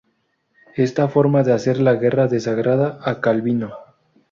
Esta forma de hacer la guerra desagrada a Calvino.